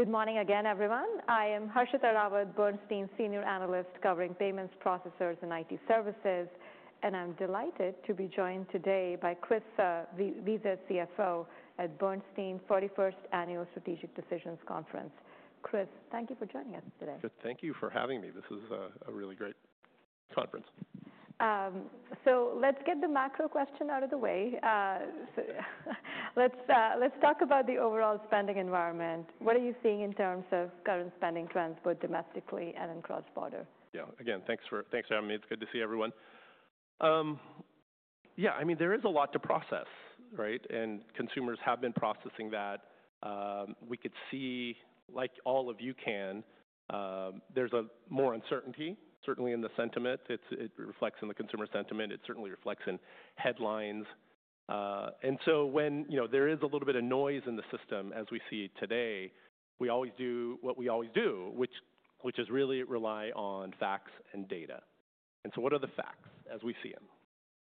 Good morning again, everyone. I am Harshita Rawat, Bernstein Senior Analyst covering payments, processors, and IT services, and I'm delighted to be joined today by Chris, Visa CFO at Bernstein's 41st Annual Strategic Decisions Conference. Chris, thank you for joining us today. Thank you for having me. This is a really great conference. Let's get the macro question out of the way. Let's talk about the overall spending environment. What are you seeing in terms of current spending trends both domestically and across borders? Yeah, again, thanks for having me. It's good to see everyone. Yeah, I mean, there is a lot to process, right? And consumers have been processing that. We could see, like all of you can, there's more uncertainty, certainly in the sentiment. It reflects in the consumer sentiment. It certainly reflects in headlines. When there is a little bit of noise in the system, as we see today, we always do what we always do, which is really rely on facts and data. What are the facts as we see them?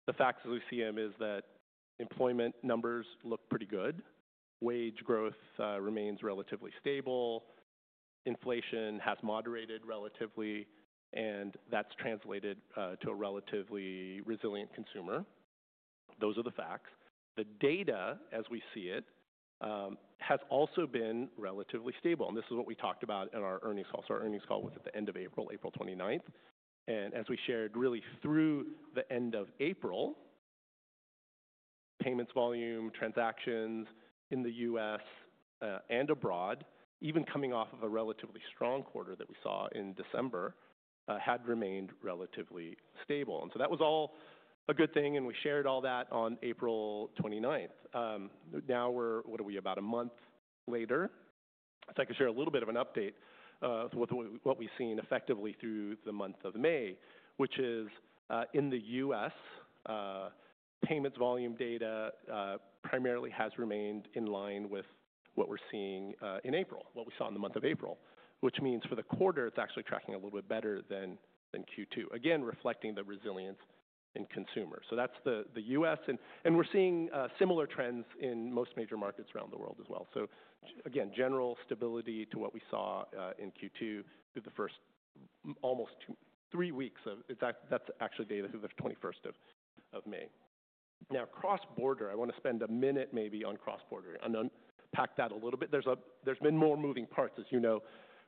The facts as we see them is that employment numbers look pretty good. Wage growth remains relatively stable. Inflation has moderated relatively, and that's translated to a relatively resilient consumer. Those are the facts. The data, as we see it, has also been relatively stable. This is what we talked about in our earnings call. Our earnings call was at the end of April, April 29th. As we shared, really through the end of April, payments volume, transactions in the U.S. and abroad, even coming off of a relatively strong quarter that we saw in December, had remained relatively stable. That was all a good thing, and we shared all that on April 29th. Now we are, what are we, about a month later? I could share a little bit of an update with what we have seen effectively through the month of May, which is in the U.S., payments volume data primarily has remained in line with what we are seeing in April, what we saw in the month of April, which means for the quarter, it is actually tracking a little bit better than Q2, again, reflecting the resilience in consumers. That's the U.S., and we're seeing similar trends in most major markets around the world as well. Again, general stability to what we saw in Q2 through the first almost three weeks. That's actually data through the 21st of May. Now, cross-border, I want to spend a minute maybe on cross-border and unpack that a little bit. There's been more moving parts, as you know,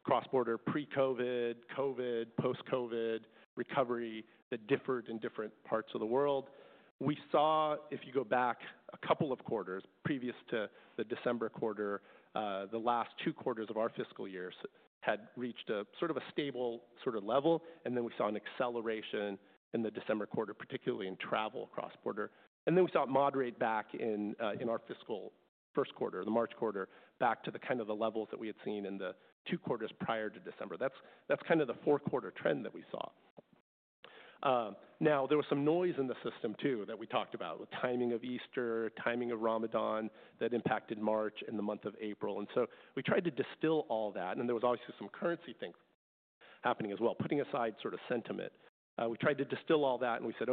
cross-border pre-COVID, COVID, post-COVID recovery that differed in different parts of the world. We saw, if you go back a couple of quarters previous to the December quarter, the last two quarters of our fiscal year had reached a sort of a stable sort of level, and then we saw an acceleration in the December quarter, particularly in travel cross-border. We saw it moderate back in our fiscal first quarter, the March quarter, back to the kind of the levels that we had seen in the two quarters prior to December. That is kind of the four-quarter trend that we saw. There was some noise in the system too that we talked about, with timing of Easter, timing of Ramadan that impacted March and the month of April. We tried to distill all that, and there were obviously some currency things happening as well. Putting aside sort of sentiment, we tried to distill all that and we said,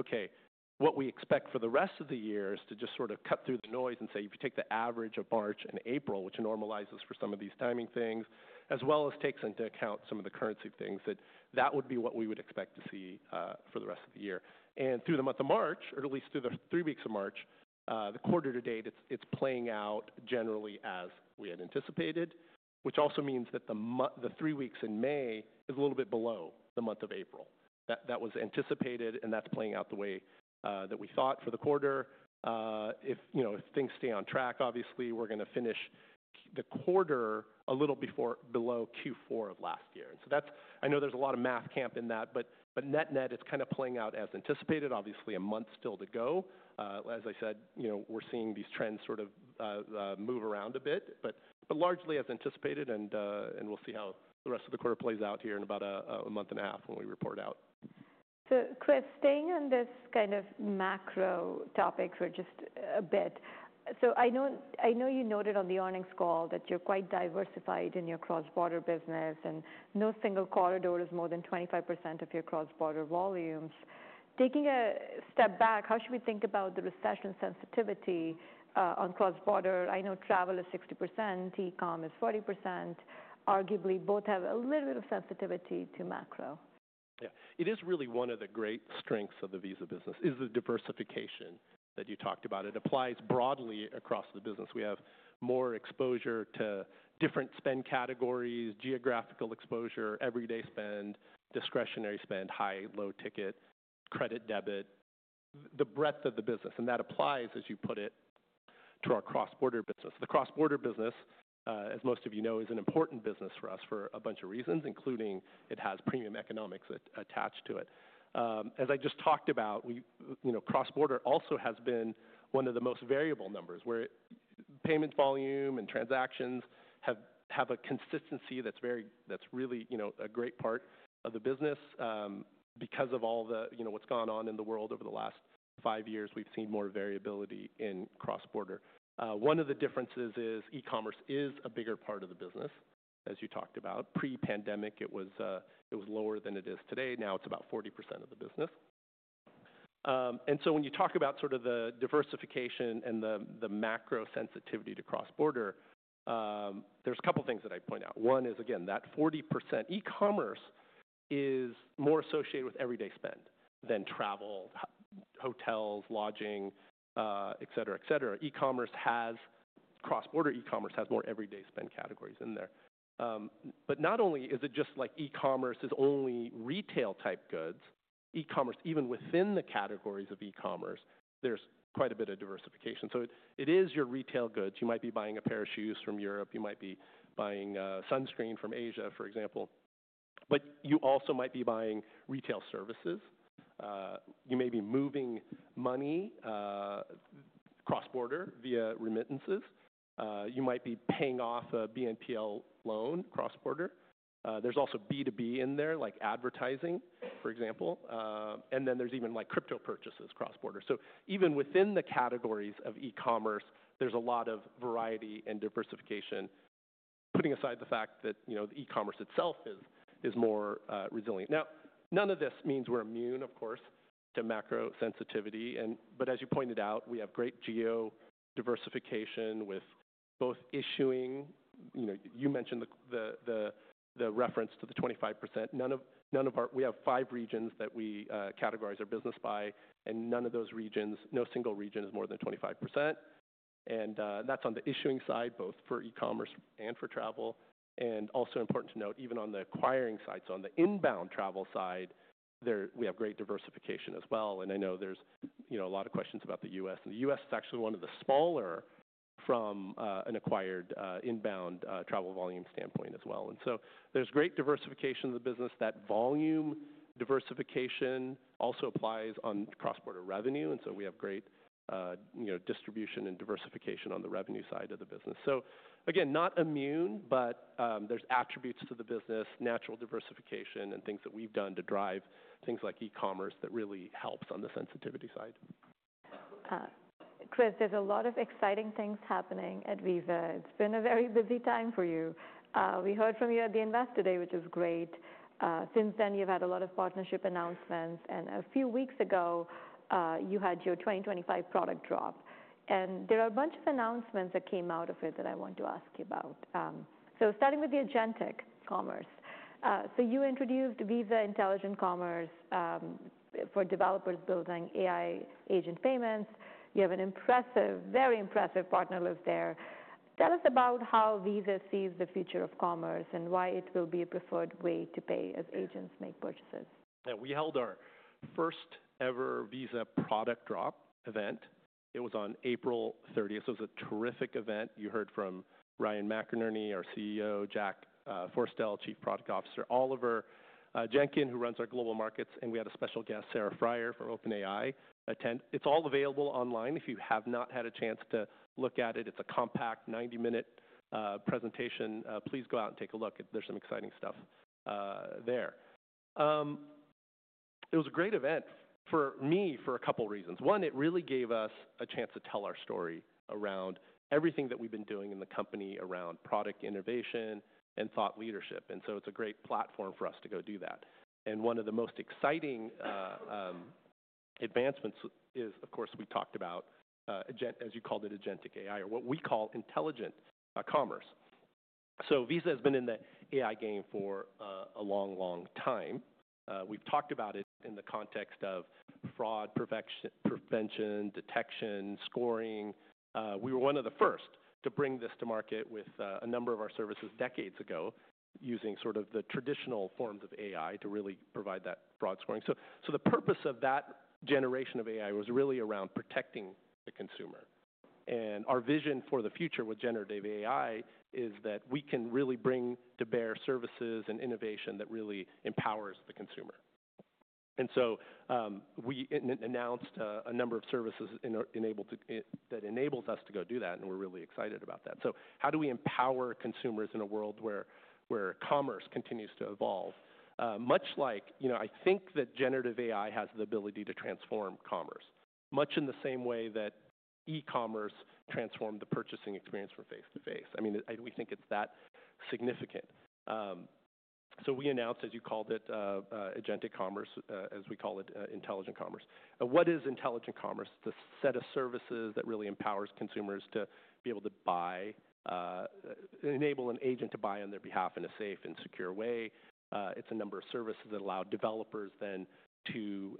okay, what we expect for the rest of the year is to just sort of cut through the noise and say, if you take the average of March and April, which normalizes for some of these timing things, as well as takes into account some of the currency things, that that would be what we would expect to see for the rest of the year. Through the month of March, or at least through the three weeks of March, the quarter to date, it's playing out generally as we had anticipated, which also means that the three weeks in May is a little bit below the month of April. That was anticipated, and that's playing out the way that we thought for the quarter. If things stay on track, obviously, we're going to finish the quarter a little below Q4 of last year. That's, I know there's a lot of math camp in that, but net-net, it's kind of playing out as anticipated. Obviously, a month still to go. As I said, we're seeing these trends sort of move around a bit, but largely as anticipated, and we'll see how the rest of the quarter plays out here in about a month and a half when we report out. Chris, staying on this kind of macro topic for just a bit. I know you noted on the earnings call that you're quite diversified in your cross-border business and no single corridor is more than 25% of your cross-border volumes. Taking a step back, how should we think about the recession sensitivity on cross-border? I know travel is 60%, e-comm is 40%. Arguably, both have a little bit of sensitivity to macro. Yeah, it is really one of the great strengths of the Visa business is the diversification that you talked about. It applies broadly across the business. We have more exposure to different spend categories, geographical exposure, everyday spend, discretionary spend, high, low ticket, credit debit, the breadth of the business. That applies, as you put it, to our cross-border business. The cross-border business, as most of you know, is an important business for us for a bunch of reasons, including it has premium economics attached to it. As I just talked about, cross-border also has been one of the most variable numbers where payment volume and transactions have a consistency that's really a great part of the business because of all the what's gone on in the world over the last five years, we've seen more variability in cross-border. One of the differences is e-commerce is a bigger part of the business, as you talked about. Pre-pandemic, it was lower than it is today. Now it's about 40% of the business. When you talk about sort of the diversification and the macro sensitivity to cross-border, there's a couple of things that I'd point out. One is, again, that 40% e-commerce is more associated with everyday spend than travel, hotels, lodging, et cetera, et cetera. E-commerce has, cross-border e-commerce has more everyday spend categories in there. Not only is it just like e-commerce is only retail type goods, e-commerce, even within the categories of e-commerce, there's quite a bit of diversification. It is your retail goods. You might be buying a pair of shoes from Europe. You might be buying sunscreen from Asia, for example. You also might be buying retail services. You may be moving money cross-border via remittances. You might be paying off a BNPL loan cross-border. There's also B2B in there, like advertising, for example. Then there's even like crypto purchases cross-border. Even within the categories of e-commerce, there's a lot of variety and diversification, putting aside the fact that the e-commerce itself is more resilient. Now, none of this means we're immune, of course, to macro sensitivity. As you pointed out, we have great geo-diversification with both issuing. You mentioned the reference to the 25%. We have five regions that we categorize our business by, and none of those regions, no single region is more than 25%. That's on the issuing side, both for e-commerce and for travel. Also important to note, even on the acquiring side, on the inbound travel side, we have great diversification as well. I know there's a lot of questions about the U.S. The U.S. is actually one of the smaller from an acquired inbound travel volume standpoint as well. There is great diversification of the business. That volume diversification also applies on cross-border revenue. We have great distribution and diversification on the revenue side of the business. Again, not immune, but there are attributes to the business, natural diversification, and things that we've done to drive things like e-commerce that really helps on the sensitivity side. Chris, there's a lot of exciting things happening at Visa. It's been a very busy time for you. We heard from you at the invest today, which is great. Since then, you've had a lot of partnership announcements. A few weeks ago, you had your 2025 product drop. There are a bunch of announcements that came out of it that I want to ask you about. Starting with the agentic commerce. You introduced Visa Intelligent Commerce for developers building AI agent payments. You have an impressive, very impressive partner list there. Tell us about how Visa sees the future of commerce and why it will be a preferred way to pay as agents make purchases. Yeah, we held our first ever Visa product drop event. It was on April 30th. It was a terrific event. You heard from Ryan McInerney, our CEO, Jack Forestell, Chief Product Officer, Oliver Jenkyn, who runs our global markets. We had a special guest, Sarah Friar from OpenAI attend. It's all available online if you have not had a chance to look at it. It's a compact 90-minute presentation. Please go out and take a look. There's some exciting stuff there. It was a great event for me for a couple of reasons. One, it really gave us a chance to tell our story around everything that we've been doing in the company around product innovation and thought leadership. It's a great platform for us to go do that. One of the most exciting advancements is, of course, we talked about, as you called it, agentic AI or what we call intelligent commerce. Visa has been in the AI game for a long, long time. We've talked about it in the context of fraud prevention, detection, scoring. We were one of the first to bring this to market with a number of our services decades ago using sort of the traditional forms of AI to really provide that broad scoring. The purpose of that generation of AI was really around protecting the consumer. Our vision for the future with generative AI is that we can really bring to bear services and innovation that really empowers the consumer. We announced a number of services that enables us to go do that, and we're really excited about that. How do we empower consumers in a world where commerce continues to evolve? Much like, I think that generative AI has the ability to transform commerce, much in the same way that e-commerce transformed the purchasing experience from face to face. I mean, we think it's that significant. We announced, as you called it, agentic commerce, as we call it, intelligent commerce. What is intelligent commerce? It's a set of services that really empowers consumers to be able to buy, enable an agent to buy on their behalf in a safe and secure way. It's a number of services that allow developers then to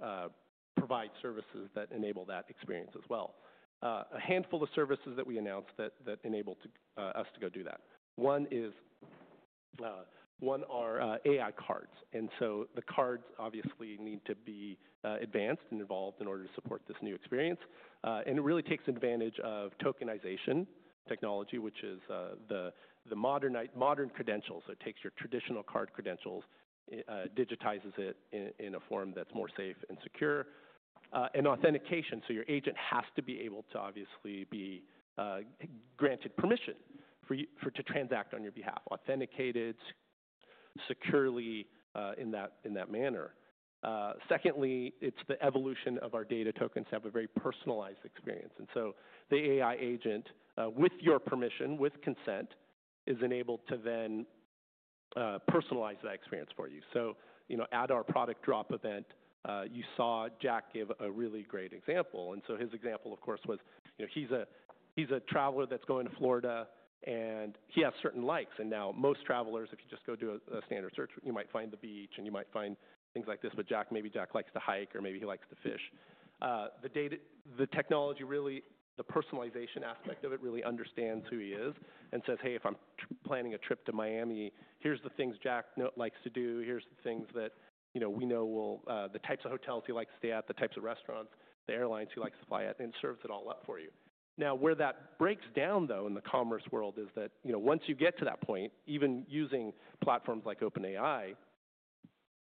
provide services that enable that experience as well. A handful of services that we announced that enabled us to go do that. One are AI cards. The cards obviously need to be advanced and involved in order to support this new experience. It really takes advantage of tokenization technology, which is the modern credentials. It takes your traditional card credentials, digitizes it in a form that's more safe and secure. Authentication. Your agent has to be able to obviously be granted permission to transact on your behalf, authenticated securely in that manner. Secondly, it's the evolution of our data tokens to have a very personalized experience. The AI agent, with your permission, with consent, is enabled to then personalize that experience for you. At our product drop event, you saw Jack give a really great example. His example, of course, was he's a traveler that's going to Florida, and he has certain likes. Most travelers, if you just go do a standard search, you might find the beach and you might find things like this. Jack, maybe Jack likes to hike or maybe he likes to fish. The technology, the personalization aspect of it, really understands who he is and says, hey, if I'm planning a trip to Miami, here are the things Jack likes to do. Here are the things that we know will, the types of hotels he likes to stay at, the types of restaurants, the airlines he likes to fly at, and it serves it all up for you. Where that breaks down though in the commerce world is that once you get to that point, even using platforms like OpenAI,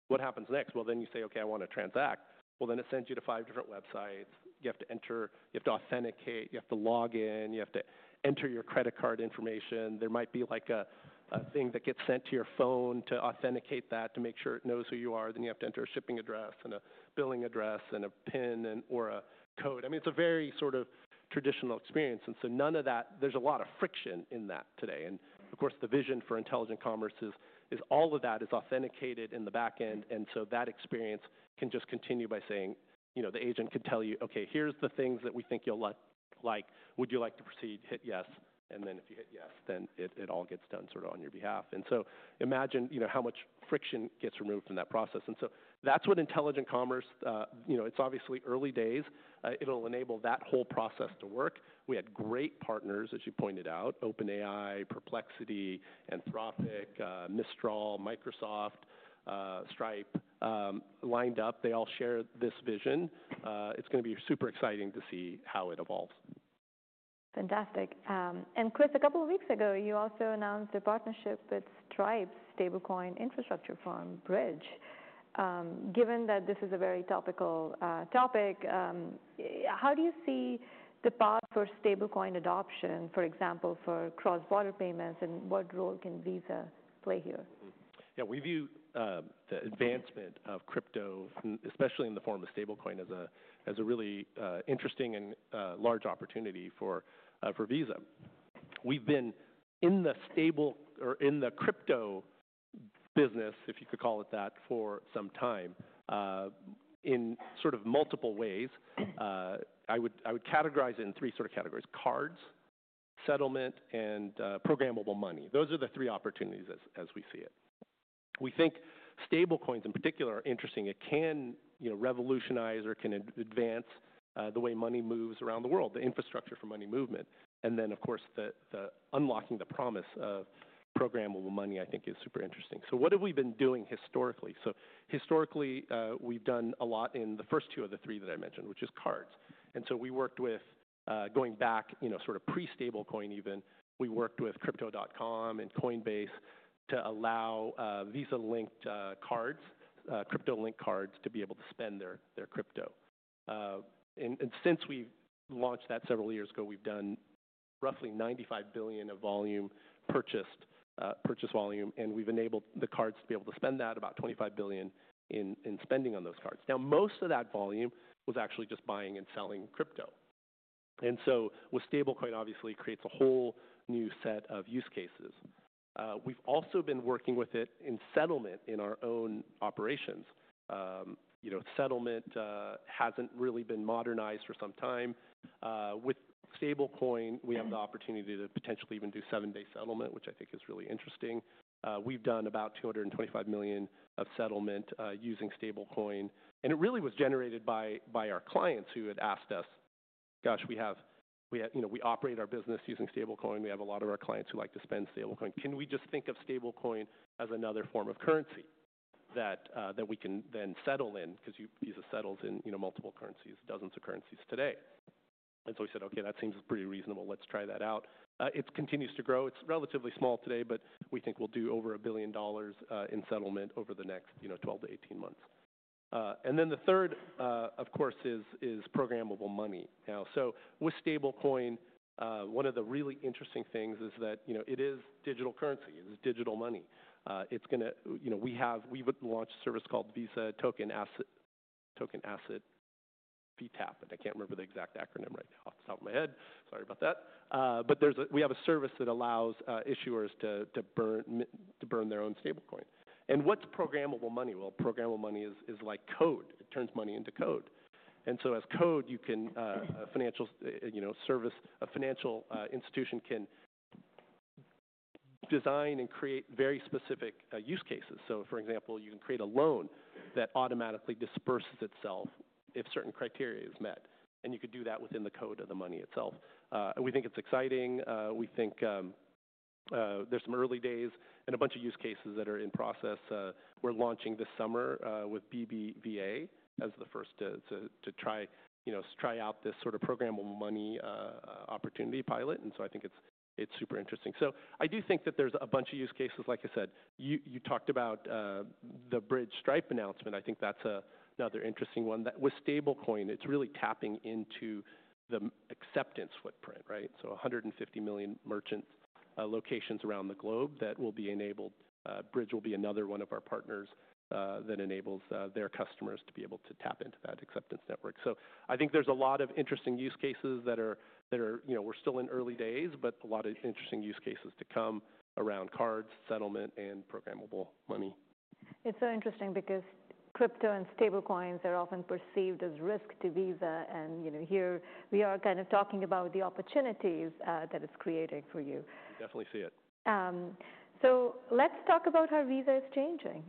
what happens next? You say, okay, I want to transact. It sends you to five different websites. You have to enter, you have to authenticate, you have to log in, you have to enter your credit card information. There might be like a thing that gets sent to your phone to authenticate that to make sure it knows who you are. You have to enter a shipping address and a billing address and a PIN or a code. I mean, it's a very sort of traditional experience. None of that, there's a lot of friction in that today. Of course, the vision for intelligent commerce is all of that is authenticated in the back end. That experience can just continue by saying, the agent could tell you, okay, here's the things that we think you'll like. Would you like to proceed? Hit yes. If you hit yes, then it all gets done sort of on your behalf. Imagine how much friction gets removed from that process. That is what intelligent commerce is. It's obviously early days. It will enable that whole process to work. We had great partners, as you pointed out, OpenAI, Perplexity, Anthropic, Mistral, Microsoft, Stripe lined up. They all share this vision. It's going to be super exciting to see how it evolves. Fantastic. Chris, a couple of weeks ago, you also announced a partnership with Stripe's stablecoin infrastructure firm, Bridge. Given that this is a very topical topic, how do you see the path for stablecoin adoption, for example, for cross-border payments? What role can Visa play here? Yeah, we view the advancement of crypto, especially in the form of stablecoin, as a really interesting and large opportunity for Visa. We've been in the stable or in the crypto business, if you could call it that, for some time in sort of multiple ways. I would categorize it in three sort of categories: cards, settlement, and programmable money. Those are the three opportunities as we see it. We think stablecoins in particular are interesting. It can revolutionize or can advance the way money moves around the world, the infrastructure for money movement. Of course, the unlocking the promise of programmable money, I think, is super interesting. What have we been doing historically? Historically, we've done a lot in the first two of the three that I mentioned, which is cards. We worked with, going back sort of pre-stablecoin even, we worked with Crypto.com and Coinbase to allow Visa-linked cards, crypto-linked cards to be able to spend their crypto. Since we launched that several years ago, we have done roughly $95 billion of purchase volume. We have enabled the cards to be able to spend that, about $25 billion in spending on those cards. Most of that volume was actually just buying and selling crypto. With stablecoin, obviously, it creates a whole new set of use cases. We have also been working with it in settlement in our own operations. Settlement has not really been modernized for some time. With stablecoin, we have the opportunity to potentially even do seven-day settlement, which I think is really interesting. We have done about $225 million of settlement using stablecoin. It really was generated by our clients who had asked us, gosh, we operate our business using stablecoin. We have a lot of our clients who like to spend stablecoin. Can we just think of stablecoin as another form of currency that we can then settle in? Visa settles in multiple currencies, dozens of currencies today. We said, okay, that seems pretty reasonable. Let's try that out. It continues to grow. It's relatively small today, but we think we'll do over $1 billion in settlement over the next 12-18 months. The third, of course, is programmable money. With stablecoin, one of the really interesting things is that it is digital currency. It is digital money. We've launched a service called Visa Token Asset VTAP. I can't remember the exact acronym right now off the top of my head. Sorry about that. We have a service that allows issuers to burn their own stablecoin. What's programmable money? Programmable money is like code. It turns money into code. As code, a financial institution can design and create very specific use cases. For example, you can create a loan that automatically disperses itself if certain criteria are met. You could do that within the code of the money itself. We think it's exciting. We think there's some early days and a bunch of use cases that are in process. We're launching this summer with BBVA as the first to try out this sort of programmable money opportunity pilot. I think it's super interesting. I do think that there's a bunch of use cases. Like I said, you talked about the Bridge Stripe announcement. I think that's another interesting one. With stablecoin, it's really tapping into the acceptance footprint, right? $150 million merchant locations around the globe that will be enabled. Bridge will be another one of our partners that enables their customers to be able to tap into that acceptance network. I think there's a lot of interesting use cases that are we're still in early days, but a lot of interesting use cases to come around cards, settlement, and programmable money. It's so interesting because crypto and stablecoins are often perceived as risk to Visa. Here we are kind of talking about the opportunities that it's creating for you. Definitely see it. Let's talk about how Visa is changing.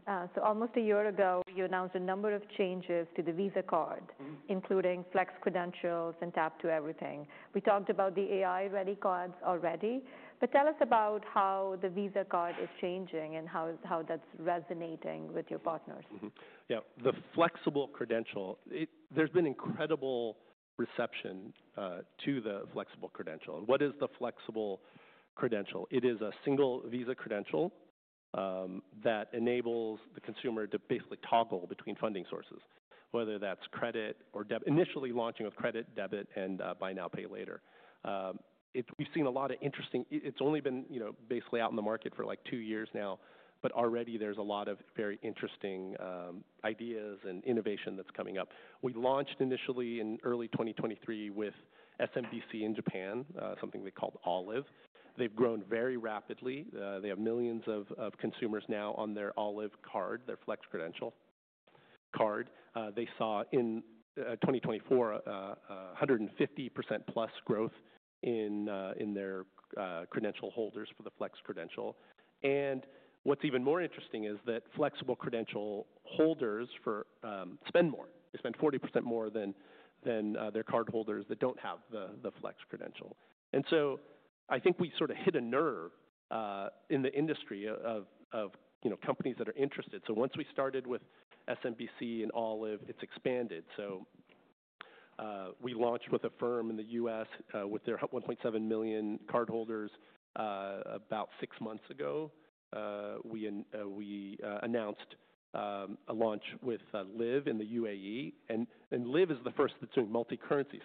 Almost a year ago, you announced a number of changes to the Visa card, including flex credentials and Tap to Everything. We talked about the AI-ready cards already. Tell us about how the Visa card is changing and how that's resonating with your partners. Yeah, the flexible credential, there's been incredible reception to the flexible credential. What is the flexible credential? It is a single Visa credential that enables the consumer to basically toggle between funding sources, whether that's credit or debit. Initially launching with credit, debit, and buy now, pay later. We've seen a lot of interesting, it's only been basically out in the market for like two years now, but already there's a lot of very interesting ideas and innovation that's coming up. We launched initially in early 2023 with SMBC in Japan, something they called Olive. They've grown very rapidly. They have millions of consumers now on their Olive card, their flex credential card. They saw in 2024, 150%+ growth in their credential holders for the flex credential. What's even more interesting is that flexible credential holders spend more. They spend 40% more than their cardholders that do not have the flex credential. I think we sort of hit a nerve in the industry of companies that are interested. Once we started with SMBC and Olive, it has expanded. We launched with a firm in the US with their 1.7 million cardholders about six months ago. We announced a launch with Liv in the UAE. Liv is the first that is doing multi-currency.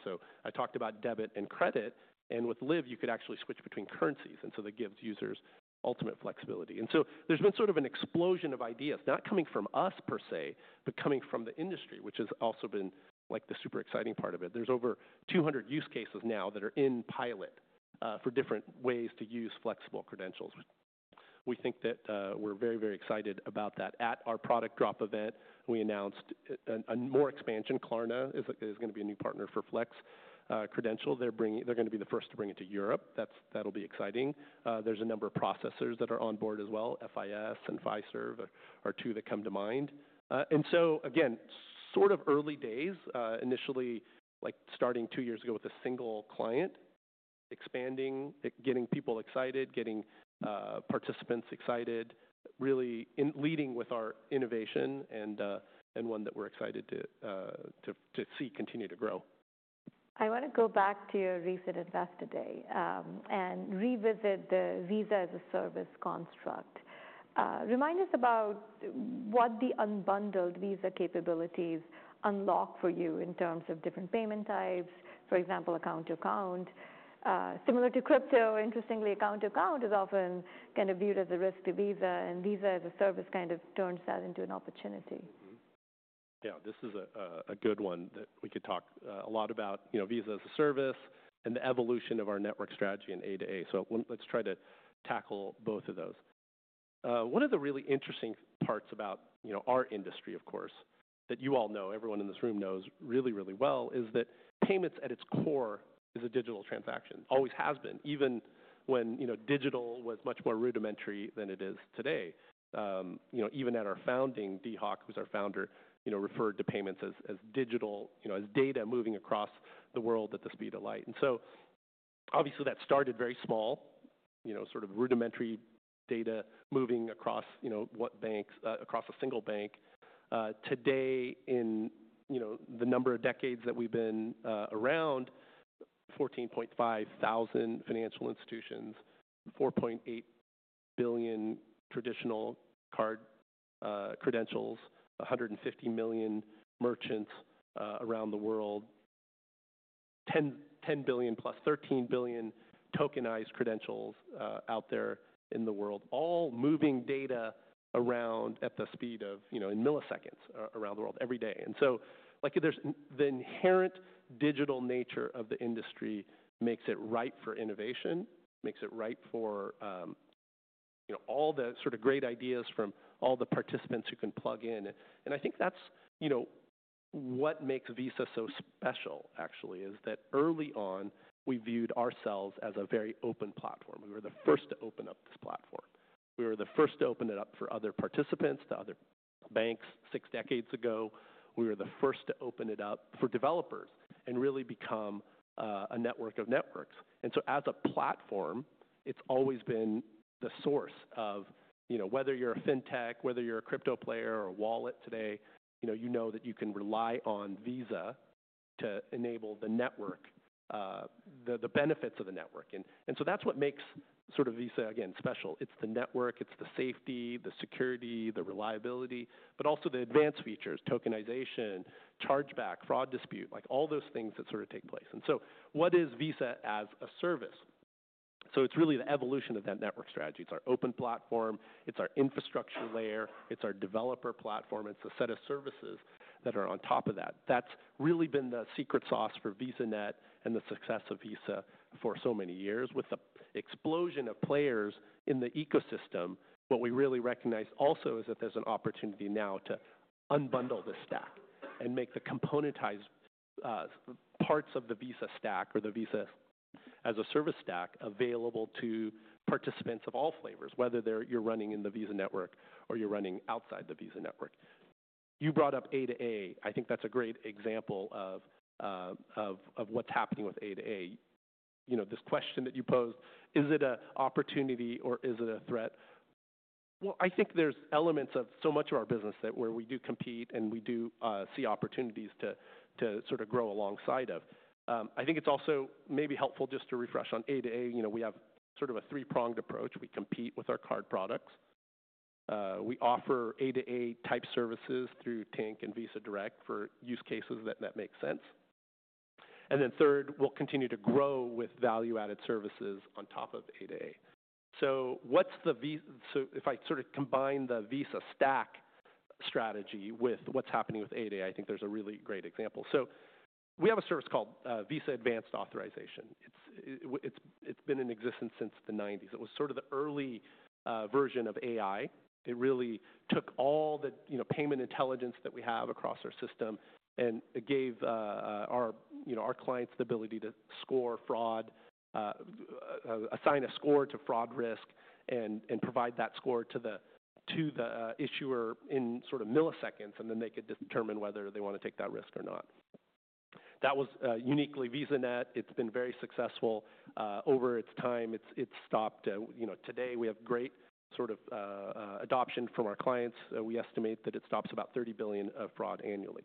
I talked about debit and credit. With Liv, you could actually switch between currencies. That gives users ultimate flexibility. There has been sort of an explosion of ideas, not coming from us per se, but coming from the industry, which has also been the super exciting part of it. There are over 200 use cases now that are in pilot for different ways to use flexible credentials. We think that we're very, very excited about that. At our product drop event, we announced more expansion. Klarna is going to be a new partner for flex credential. They're going to be the first to bring it to Europe. That'll be exciting. There are a number of processors that are on board as well. FIS and Fiserv are two that come to mind. Again, sort of early days, initially like starting two years ago with a single client, expanding, getting people excited, getting participants excited, really leading with our innovation and one that we're excited to see continue to grow. I want to go back to your recent investor day and revisit the Visa as a service construct. Remind us about what the unbundled Visa capabilities unlock for you in terms of different payment types, for example, account to account. Similar to crypto, interestingly, account to account is often kind of viewed as a risk to Visa, and Visa as a service kind of turns that into an opportunity. Yeah, this is a good one that we could talk a lot about. Visa as a service and the evolution of our network strategy and A to A. Let's try to tackle both of those. One of the really interesting parts about our industry, of course, that you all know, everyone in this room knows really, really well, is that payments at its core is a digital transaction. Always has been, even when digital was much more rudimentary than it is today. Even at our founding, Dee Hock, who's our founder, referred to payments as digital, as data moving across the world at the speed of light. Obviously that started very small, sort of rudimentary data moving across what banks, across a single bank. Today, in the number of decades that we've been around, 14,500 financial institutions, 4.8 billion traditional card credentials, 150 million merchants around the world, 10 billion plus 13 billion tokenized credentials out there in the world, all moving data around at the speed of milliseconds around the world every day. The inherent digital nature of the industry makes it right for innovation, makes it right for all the sort of great ideas from all the participants who can plug in. I think that's what makes Visa so special, actually, is that early on, we viewed ourselves as a very open platform. We were the first to open up this platform. We were the first to open it up for other participants, to other banks six decades ago. We were the first to open it up for developers and really become a network of networks. As a platform, it's always been the source of whether you're a fintech, whether you're a crypto player or a wallet today, you know that you can rely on Visa to enable the network, the benefits of the network. That's what makes sort of Visa, again, special. It's the network, it's the safety, the security, the reliability, but also the advanced features, tokenization, chargeback, fraud dispute, like all those things that sort of take place. What is Visa as a service? It's really the evolution of that network strategy. It's our open platform, it's our infrastructure layer, it's our developer platform, it's a set of services that are on top of that. That's really been the secret sauce for VisaNet and the success of Visa for so many years with the explosion of players in the ecosystem. What we really recognize also is that there's an opportunity now to unbundle this stack and make the componentized parts of the Visa stack or the Visa as a service stack available to participants of all flavors, whether you're running in the Visa network or you're running outside the Visa network. You brought up A to A. I think that's a great example of what's happening with A to A. This question that you posed, is it an opportunity or is it a threat? I think there's elements of so much of our business where we do compete and we do see opportunities to sort of grow alongside of. I think it's also maybe helpful just to refresh on A to A. We have sort of a three-pronged approach. We compete with our card products. We offer A to A type services through Tink and Visa Direct for use cases that make sense. Third, we'll continue to grow with value-added services on top of A to A. If I sort of combine the Visa stack strategy with what's happening with A to A, I think there's a really great example. We have a service called Visa Advanced Authorization. It's been in existence since the 1990s. It was sort of the early version of AI. It really took all the payment intelligence that we have across our system and gave our clients the ability to score fraud, assign a score to fraud risk, and provide that score to the issuer in milliseconds, and then they could determine whether they want to take that risk or not. That was uniquely VisaNet. It's been very successful over its time. It's stopped. Today, we have great sort of adoption from our clients. We estimate that it stops about $30 billion of fraud annually.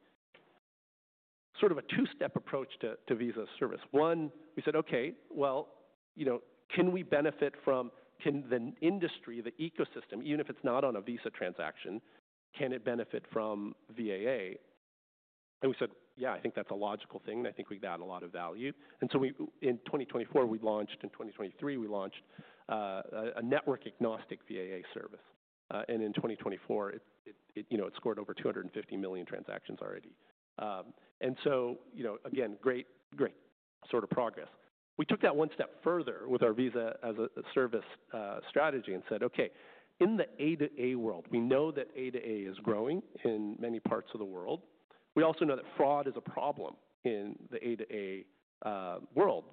Sort of a two-step approach to Visa's service. One, we said, okay, can we benefit from the industry, the ecosystem, even if it's not on a Visa transaction, can it benefit from VAA? We said, yeah, I think that's a logical thing. I think we got a lot of value. In 2023, we launched a network-agnostic VAA service. In 2024, it scored over 250 million transactions already. Again, great sort of progress. We took that one step further with our Visa as a service strategy and said, okay, in the A to A world, we know that A to A is growing in many parts of the world. We also know that fraud is a problem in the A to A world,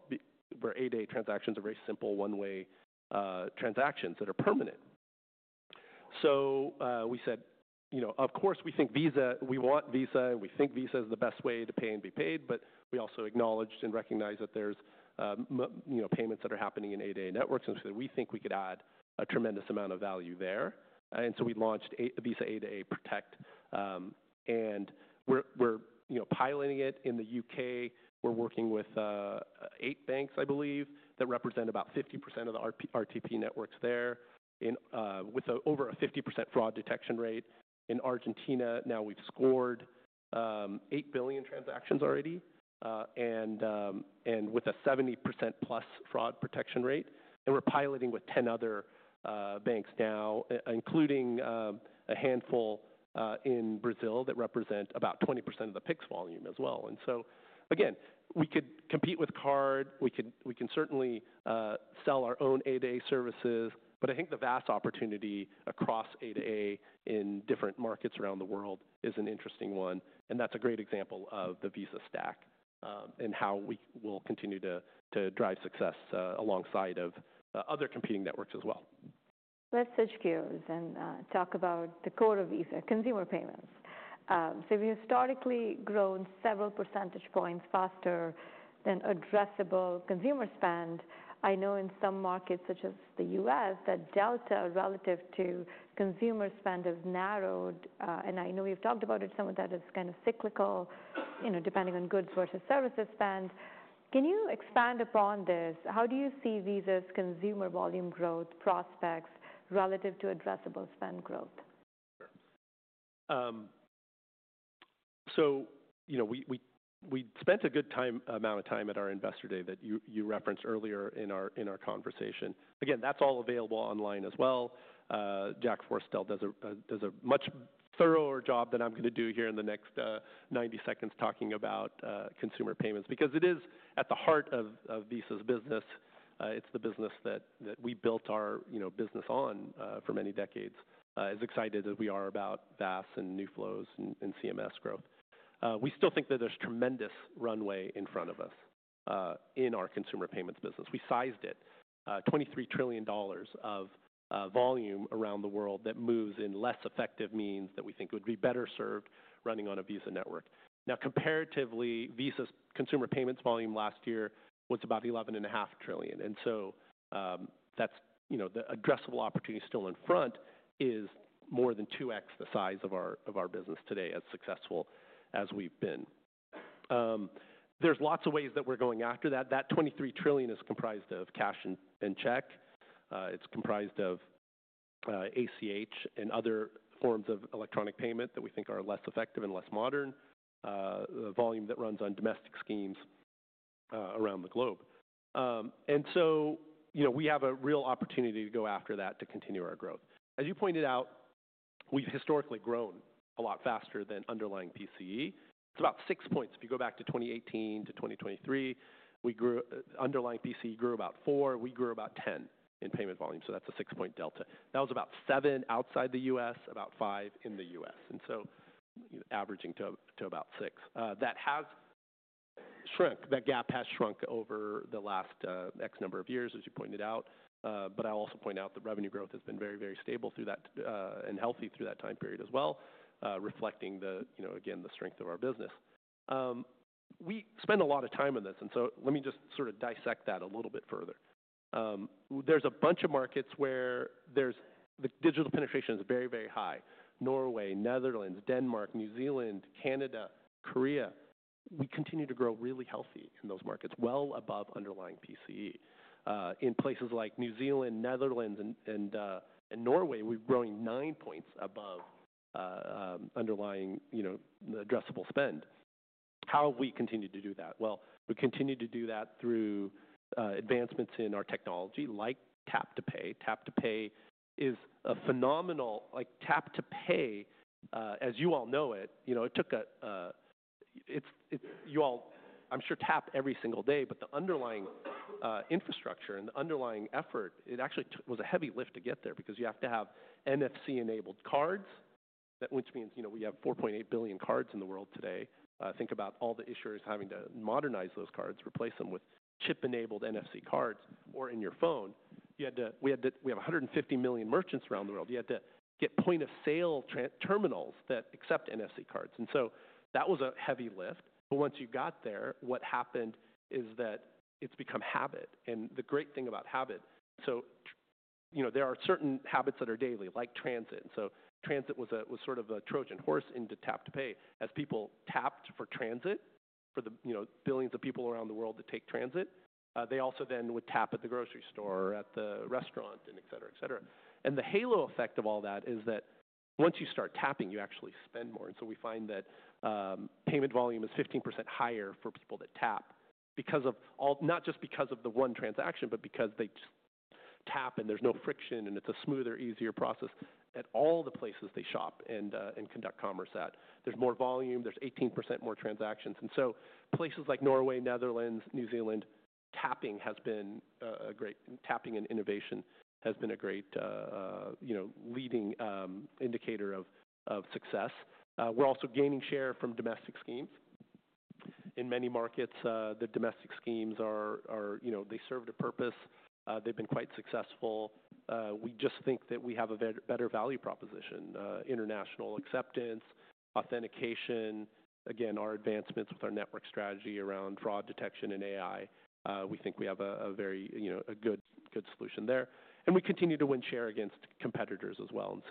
where A to A transactions are very simple one-way transactions that are permanent. We said, of course, we think Visa, we want Visa, and we think Visa is the best way to pay and be paid, but we also acknowledged and recognized that there's payments that are happening in A to A networks. We said, we think we could add a tremendous amount of value there. We launched Visa A to A Protect. We're piloting it in the U.K. We're working with eight banks, I believe, that represent about 50% of the RTP networks there, with over a 50% fraud detection rate. In Argentina, now we've scored 8 billion transactions already, and with a 70%+ fraud protection rate. We are piloting with 10 other banks now, including a handful in Brazil that represent about 20% of the PIX volume as well. We could compete with card. We can certainly sell our own A to A services, but I think the vast opportunity across A to A in different markets around the world is an interesting one. That is a great example of the Visa stack and how we will continue to drive success alongside other competing networks as well. Let's switch gears and talk about the core of Visa, consumer payments. We've historically grown several percentage points faster than addressable consumer spend. I know in some markets, such as the U.S., that delta relative to consumer spend has narrowed. I know we've talked about it, some of that is kind of cyclical, depending on goods versus services spend. Can you expand upon this? How do you see Visa's consumer volume growth prospects relative to addressable spend growth? We spent a good amount of time at our investor day that you referenced earlier in our conversation. Again, that's all available online as well. Jack Forestell does a much thorougher job than I'm going to do here in the next 90 seconds talking about consumer payments, because it is at the heart of Visa's business. It's the business that we built our business on for many decades. As excited as we are about VAS and new flows and CMS growth, we still think that there's tremendous runway in front of us in our consumer payments business. We sized it, $23 trillion of volume around the world that moves in less effective means that we think would be better served running on a Visa network. Now, comparatively, Visa's consumer payments volume last year was about $11.5 trillion. The addressable opportunity still in front is more than 2x the size of our business today, as successful as we've been. There are lots of ways that we're going after that. That $23 trillion is comprised of cash and check. It is comprised of ACH and other forms of electronic payment that we think are less effective and less modern, the volume that runs on domestic schemes around the globe. We have a real opportunity to go after that, to continue our growth. As you pointed out, we've historically grown a lot faster than underlying PCE. It is about six points. If you go back to 2018 to 2023, underlying PCE grew about four. We grew about 10 in payment volume. That is a six-point delta. That was about seven outside the U.S., about five in the U.S., averaging to about six. That gap has shrunk over the last X number of years, as you pointed out. I'll also point out that revenue growth has been very, very stable and healthy through that time period as well, reflecting, again, the strength of our business. We spend a lot of time on this. Let me just sort of dissect that a little bit further. There's a bunch of markets where the digital penetration is very, very high. Norway, Netherlands, Denmark, New Zealand, Canada, Korea. We continue to grow really healthy in those markets, well above underlying PCE. In places like New Zealand, Netherlands, and Norway, we're growing nine percentage points above underlying addressable spend. How have we continued to do that? We continue to do that through advancements in our technology, like tap to pay. Tap to pay is a phenomenal tap to pay, as you all know it. I'm sure tap every single day, but the underlying infrastructure and the underlying effort, it actually was a heavy lift to get there because you have to have NFC-enabled cards, which means we have 4.8 billion cards in the world today. Think about all the issuers having to modernize those cards, replace them with chip-enabled NFC cards, or in your phone. We have 150 million merchants around the world. You had to get point-of-sale terminals that accept NFC cards. That was a heavy lift. Once you got there, what happened is that it's become habit. The great thing about habit—there are certain habits that are daily, like transit. Transit was sort of a Trojan horse into tap to pay. As people tapped for transit, for the billions of people around the world to take transit, they also then would tap at the grocery store, at the restaurant, et cetera, et cetera. The halo effect of all that is that once you start tapping, you actually spend more. We find that payment volume is 15% higher for people that tap, not just because of the one transaction, but because they tap and there's no friction and it's a smoother, easier process at all the places they shop and conduct commerce at. There's more volume, there's 18% more transactions. Places like Norway, Netherlands, New Zealand, tapping has been a great tapping and innovation has been a great leading indicator of success. We're also gaining share from domestic schemes. In many markets, the domestic schemes, they serve a purpose. They've been quite successful. We just think that we have a better value proposition, international acceptance, authentication. Again, our advancements with our network strategy around fraud detection and AI, we think we have a very good solution there. We continue to win share against competitors as well.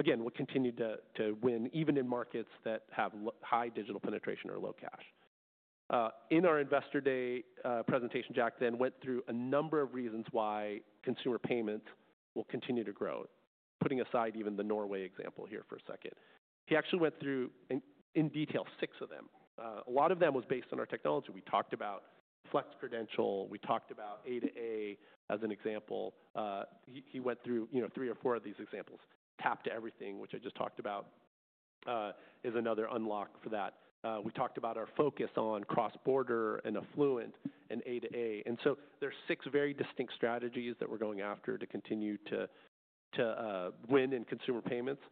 We will continue to win, even in markets that have high digital penetration or low cash. In our investor day presentation, Jack then went through a number of reasons why consumer payments will continue to grow, putting aside even the Norway example here for a second. He actually went through, in detail, six of them. A lot of them was based on our technology. We talked about Flex credential. We talked about A to A as an example. He went through three or four of these examples. Tap to everything, which I just talked about, is another unlock for that. We talked about our focus on cross-border and affluent and A to A. There are six very distinct strategies that we're going after to continue to win in consumer payments.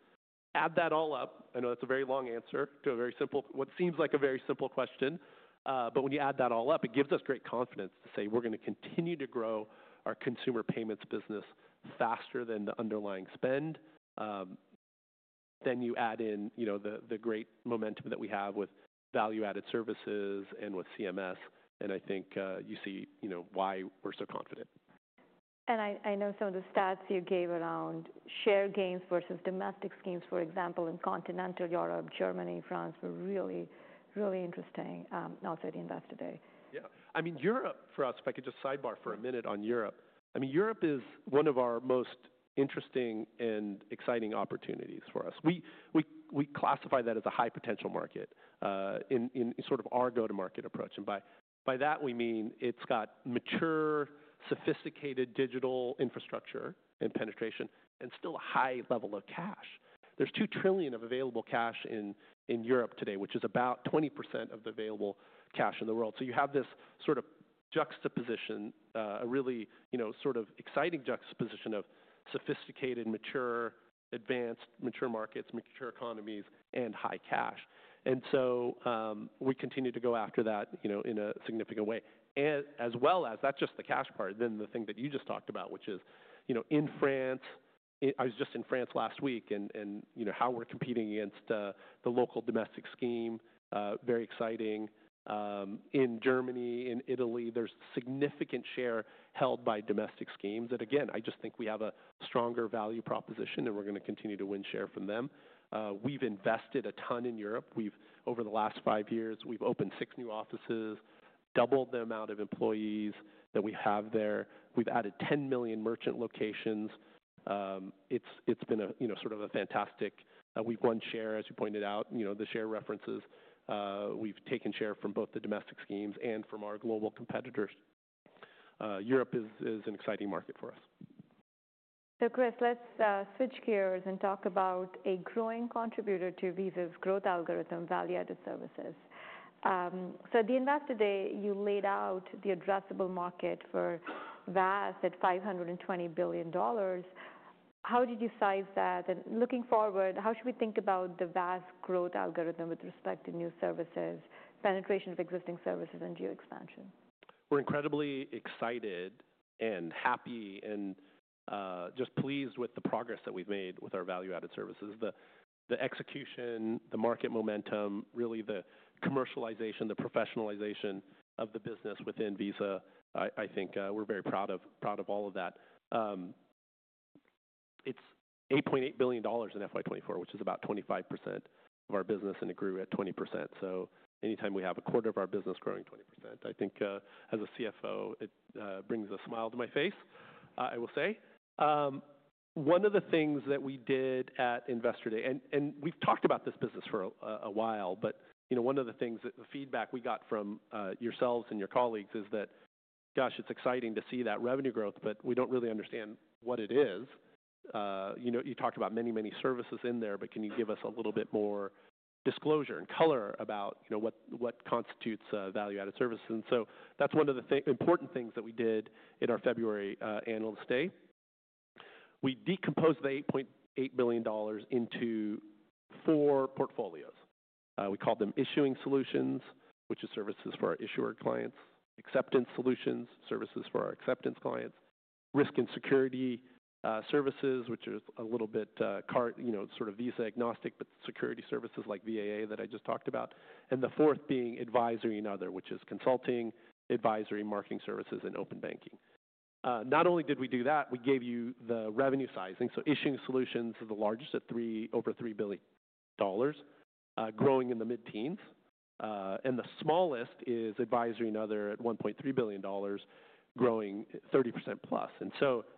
Add that all up, I know that's a very long answer to what seems like a very simple question, but when you add that all up, it gives us great confidence to say we're going to continue to grow our consumer payments business faster than the underlying spend. You add in the great momentum that we have with value-added services and with CMS, and I think you see why we're so confident. I know some of the stats you gave around share gains versus domestic schemes, for example, in continental Europe, Germany, France were really, really interesting, also at Investor Day. Yeah. I mean, Europe for us, if I could just sidebar for a minute on Europe. I mean, Europe is one of our most interesting and exciting opportunities for us. We classify that as a high-potential market in sort of our go-to-market approach. By that, we mean it's got mature, sophisticated digital infrastructure and penetration and still a high level of cash. There's $2 trillion of available cash in Europe today, which is about 20% of the available cash in the world. You have this sort of juxtaposition, a really sort of exciting juxtaposition of sophisticated, mature, advanced, mature markets, mature economies, and high cash. We continue to go after that in a significant way. As well as, that's just the cash part, then the thing that you just talked about, which is in France. I was just in France last week and how we're competing against the local domestic scheme, very exciting. In Germany, in Italy, there's a significant share held by domestic schemes. I just think we have a stronger value proposition and we're going to continue to win share from them. We've invested a ton in Europe. Over the last five years, we've opened six new offices, doubled the amount of employees that we have there. We've added 10 million merchant locations. It's been sort of a fantastic—we've won share, as you pointed out, the share references. We've taken share from both the domestic schemes and from our global competitors. Europe is an exciting market for us. Chris, let's switch gears and talk about a growing contributor to Visa's growth algorithm, value-added services. At the Investor Day, you laid out the addressable market for VAS at $520 billion. How did you size that? Looking forward, how should we think about the VAS growth algorithm with respect to new services, penetration of existing services, and geo-expansion? We're incredibly excited and happy and just pleased with the progress that we've made with our value-added services, the execution, the market momentum, really the commercialization, the professionalization of the business within Visa. I think we're very proud of all of that. It's $8.8 billion in FY 2024, which is about 25% of our business and it grew at 20%. Anytime we have a quarter of our business growing 20%, I think as a CFO, it brings a smile to my face, I will say. One of the things that we did at Investor Day, and we've talked about this business for a while, but one of the things, the feedback we got from yourselves and your colleagues is that, gosh, it's exciting to see that revenue growth, but we don't really understand what it is. You talked about many, many services in there, but can you give us a little bit more disclosure and color about what constitutes value-added services? That is one of the important things that we did in our February Annual Stay. We decomposed the $8.8 billion into four portfolios. We called them issuing solutions, which are services for our issuer clients, acceptance solutions, services for our acceptance clients, risk and security services, which are a little bit sort of Visa-agnostic, but security services like VAA that I just talked about, and the fourth being advisory and other, which is consulting, advisory, marketing services, and open banking. Not only did we do that, we gave you the revenue sizing. Issuing solutions is the largest at over $3 billion, growing in the mid-teens. The smallest is advisory and other at $1.3 billion, growing 30%+.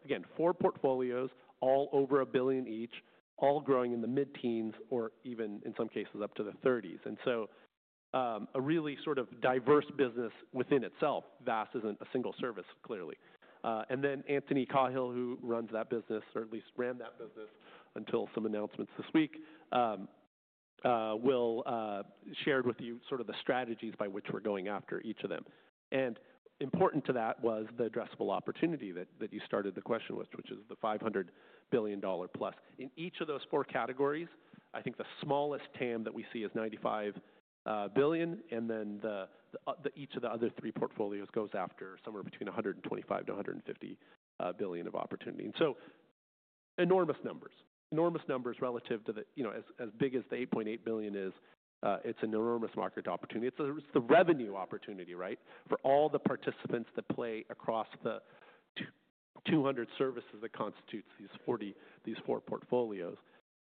Again, four portfolios, all over a billion each, all growing in the mid-teens or even in some cases up to the 30s. A really sort of diverse business within itself. VAS isn't a single service, clearly. Anthony Cahill, who runs that business, or at least ran that business until some announcements this week, will share with you sort of the strategies by which we're going after each of them. Important to that was the addressable opportunity that you started the question with, which is the $500 billion+. In each of those four categories, I think the smallest TAM that we see is $95 billion, and each of the other three portfolios goes after somewhere between $125 bilion-$150 billion of opportunity. Enormous numbers, enormous numbers relative to the as big as the $8.8 billion is, it's an enormous market opportunity. It's the revenue opportunity, right, for all the participants that play across the 200 services that constitute these four portfolios.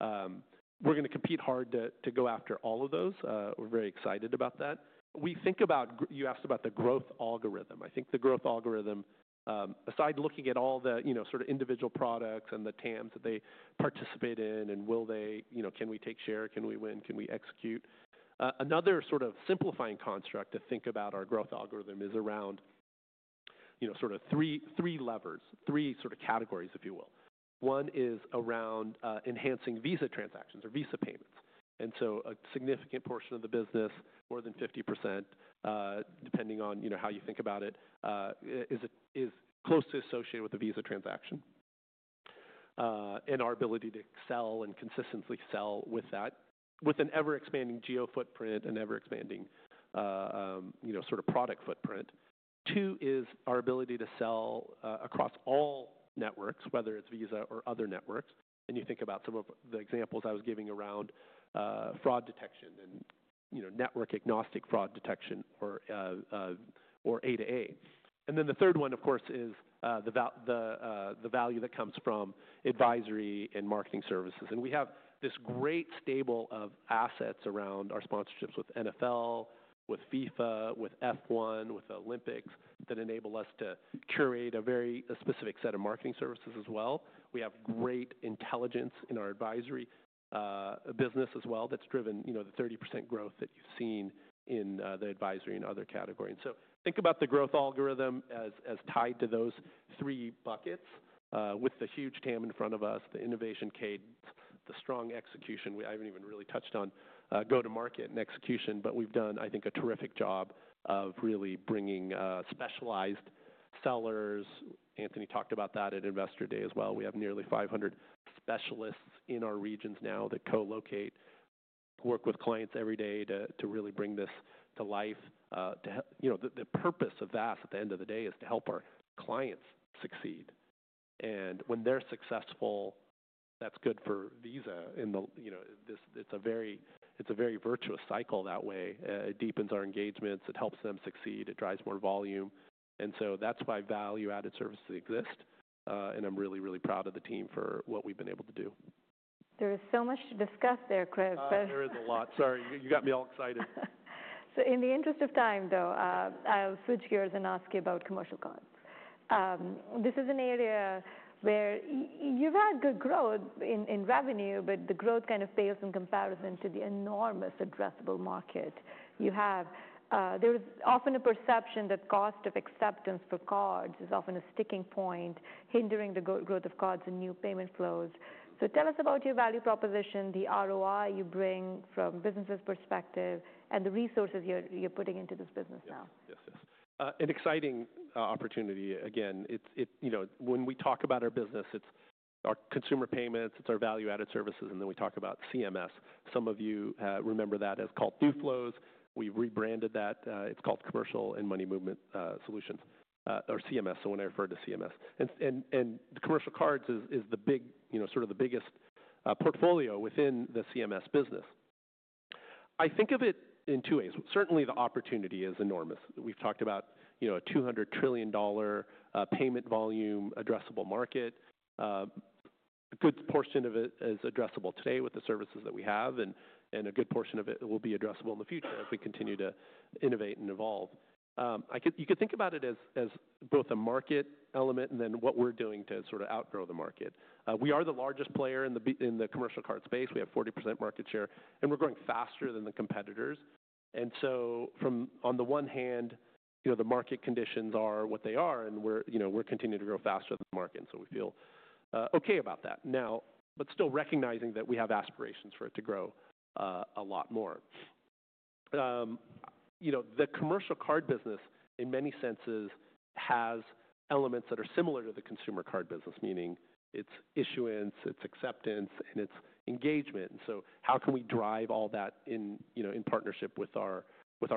We're going to compete hard to go after all of those. We're very excited about that. You asked about the growth algorithm. I think the growth algorithm, aside looking at all the sort of individual products and the TAMs that they participate in and will they, can we take share, can we win, can we execute. Another sort of simplifying construct to think about our growth algorithm is around sort of three levers, three sort of categories, if you will. One is around enhancing Visa transactions or Visa payments. A significant portion of the business, more than 50%, depending on how you think about it, is closely associated with the Visa transaction and our ability to sell and consistently sell with that, with an ever-expanding geo footprint and ever-expanding sort of product footprint. Two is our ability to sell across all networks, whether it's Visa or other networks. You think about some of the examples I was giving around fraud detection and network-agnostic fraud detection or A to A. The third one, of course, is the value that comes from advisory and marketing services. We have this great stable of assets around our sponsorships with NFL, with FIFA, with F1, with Olympics that enable us to curate a very specific set of marketing services as well. We have great intelligence in our advisory business as well that's driven the 30% growth that you've seen in the advisory and other categories. Think about the growth algorithm as tied to those three buckets with the huge TAM in front of us, the innovation cadence, the strong execution. I haven't even really touched on go-to-market and execution, but we've done, I think, a terrific job of really bringing specialized sellers. Anthony talked about that at Investor Day as well. We have nearly 500 specialists in our regions now that co-locate, work with clients every day to really bring this to life. The purpose of VAS at the end of the day is to help our clients succeed. When they're successful, that's good for Visa. It's a very virtuous cycle that way. It deepens our engagements. It helps them succeed. It drives more volume. That is why value-added services exist. I'm really, really proud of the team for what we've been able to do. There is so much to discuss there, Chris. There is a lot. Sorry, you got me all excited. In the interest of time, though, I'll switch gears and ask you about commercial cards. This is an area where you've had good growth in revenue, but the growth kind of pales in comparison to the enormous addressable market you have. There is often a perception that cost of acceptance for cards is often a sticking point, hindering the growth of cards and new payment flows. Tell us about your value proposition, the ROI you bring from a business's perspective, and the resources you're putting into this business now. Yes, yes. An exciting opportunity. Again, when we talk about our business, it's our consumer payments, it's our value-added services, and then we talk about CMS. Some of you remember that as called New Flows. We've rebranded that. It's called Commercial and Money Movement Solutions, or CMS, someone referred to CMS. And commercial cards is the big, sort of the biggest portfolio within the CMS business. I think of it in two ways. Certainly, the opportunity is enormous. We've talked about a $200 trillion payment volume addressable market. A good portion of it is addressable today with the services that we have, and a good portion of it will be addressable in the future as we continue to innovate and evolve. You could think about it as both a market element and then what we're doing to sort of outgrow the market. We are the largest player in the commercial card space. We have 40% market share, and we're growing faster than the competitors. The market conditions are what they are, and we're continuing to grow faster than the market, and we feel okay about that. Still recognizing that we have aspirations for it to grow a lot more. The commercial card business, in many senses, has elements that are similar to the consumer card business, meaning it's issuance, it's acceptance, and it's engagement. How can we drive all that in partnership with our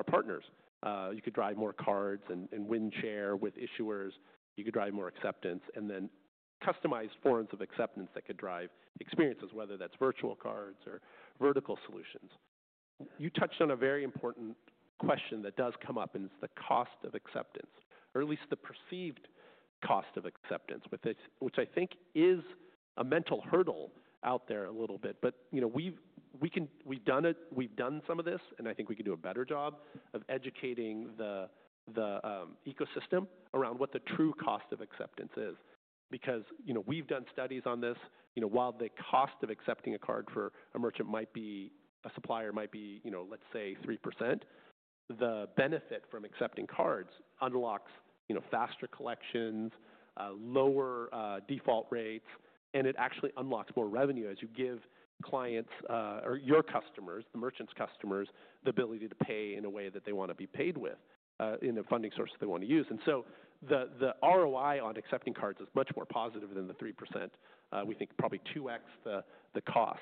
partners? You could drive more cards and win share with issuers. You could drive more acceptance and then customized forms of acceptance that could drive experiences, whether that's virtual cards or vertical solutions. You touched on a very important question that does come up, and it's the cost of acceptance, or at least the perceived cost of acceptance, which I think is a mental hurdle out there a little bit. We have done some of this, and I think we can do a better job of educating the ecosystem around what the true cost of acceptance is. We have done studies on this. While the cost of accepting a card for a merchant might be, a supplier might be, let's say, 3%, the benefit from accepting cards unlocks faster collections, lower default rates, and it actually unlocks more revenue as you give clients or your customers, the merchant's customers, the ability to pay in a way that they want to be paid with, in a funding source they want to use. The ROI on accepting cards is much more positive than the 3%. We think probably 2x the cost.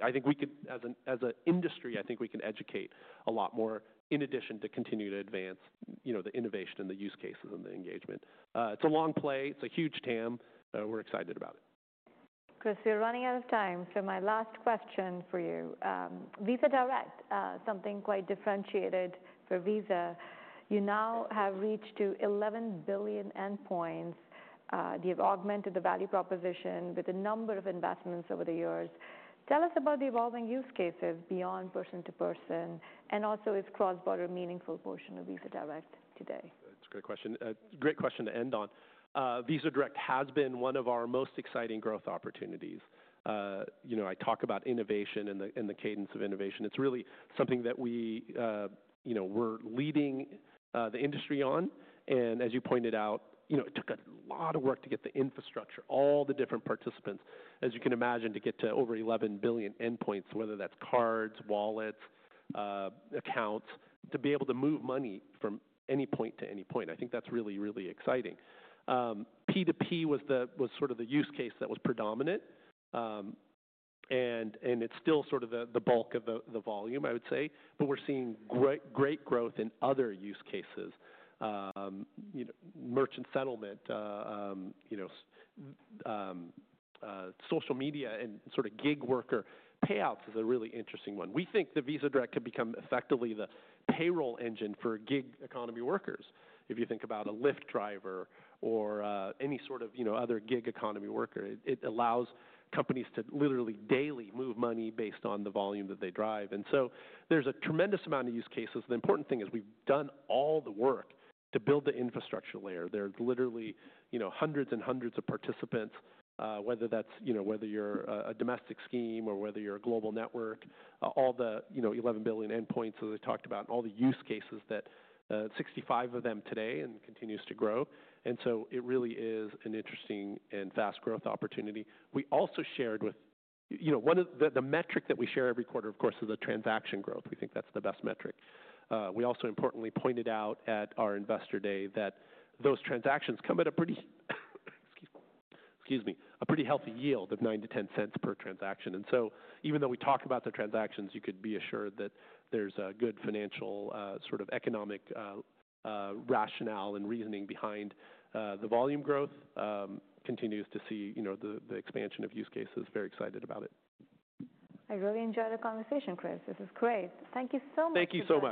I think we could, as an industry, educate a lot more in addition to continuing to advance the innovation and the use cases and the engagement. It is a long play. It is a huge TAM. We are excited about it. Chris, we're running out of time. So my last question for you. Visa Direct, something quite differentiated for Visa. You now have reached to 11 billion endpoints. You've augmented the value proposition with a number of investments over the years. Tell us about the evolving use cases beyond person-to-person and also its cross-border meaningful portion of Visa Direct today. That's a great question. Great question to end on. Visa Direct has been one of our most exciting growth opportunities. I talk about innovation and the cadence of innovation. It's really something that we're leading the industry on. As you pointed out, it took a lot of work to get the infrastructure, all the different participants, as you can imagine, to get to over 11 billion endpoints, whether that's cards, wallets, accounts, to be able to move money from any point to any point. I think that's really, really exciting. P2P was sort of the use case that was predominant, and it's still sort of the bulk of the volume, I would say. We are seeing great growth in other use cases, merchant settlement, social media, and sort of gig worker. Payouts is a really interesting one. We think the Visa Direct could become effectively the payroll engine for gig economy workers. If you think about a Lyft driver or any sort of other gig economy worker, it allows companies to literally daily move money based on the volume that they drive. There is a tremendous amount of use cases. The important thing is we've done all the work to build the infrastructure layer. There are literally hundreds and hundreds of participants, whether you're a domestic scheme or whether you're a global network, all the 11 billion endpoints that I talked about, and all the use cases, 65 of them today and continues to grow. It really is an interesting and fast growth opportunity. We also shared with the metric that we share every quarter, of course, is the transaction growth. We think that's the best metric. We also importantly pointed out at our Investor Day that those transactions come at a pretty, excuse me, a pretty healthy yield of 9-10 cents per transaction. Even though we talk about the transactions, you could be assured that there is a good financial sort of economic rationale and reasoning behind the volume growth. Continues to see the expansion of use cases. Very excited about it. I really enjoyed our conversation, Chris. This was great. Thank you so much. Thank you so much.